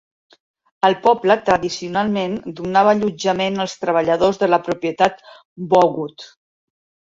El poble tradicionalment donava allotjament als treballadors de la propietat Bowood.